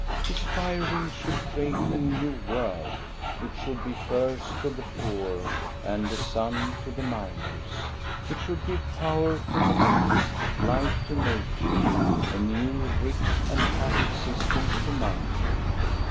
His fire wheel should create a new world. It should be furs to the poor and a sun to the miners. It should give power to the mills, life to nature, a new, rich, and happy existence to mankind.